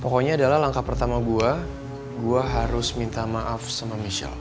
pokoknya adalah langkah pertama gue gue harus minta maaf sama michelle